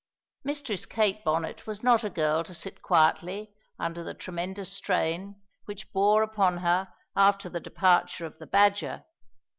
Mistress Kate Bonnet was not a girl to sit quietly under the tremendous strain which bore upon her after the departure of the Badger.